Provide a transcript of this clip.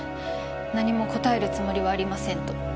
何も答えるつもりはありませんと。